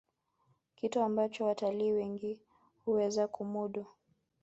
kitu ambacho watalii wengi huweza kumudu